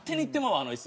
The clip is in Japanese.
あの椅子。